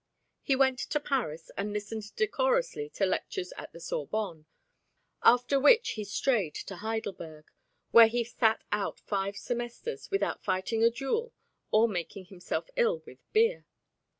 He went to Paris and listened decorously to lectures at the Sorbonne, after which he strayed to Heidelberg, where he sat out five semesters without fighting a duel or making himself ill with beer.